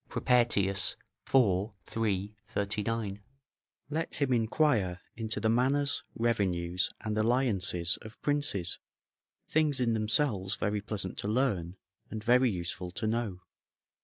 Propertius, iv. 3, 39.] Let him inquire into the manners, revenues, and alliances of princes, things in themselves very pleasant to learn, and very useful to know.